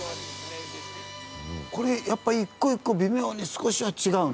これやっぱり１個１個微妙に少しは違うんですか？